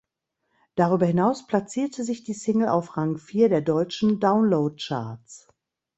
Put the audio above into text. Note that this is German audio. Darüber hinaus platzierte sich die Single auf Rang vier der deutschen Downloadcharts.